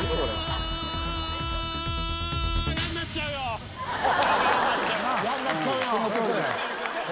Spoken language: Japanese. ア！何か嫌になっちゃうよ。